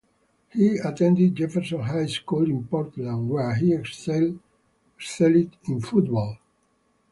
He attended Jefferson High School in Portland where he excelled in football.